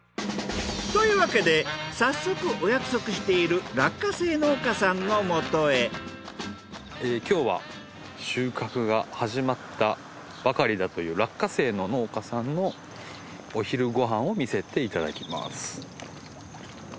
というわけで早速お約束している今日は収穫が始まったばかりだという落花生の農家さんのお昼ご飯を見せていただきます。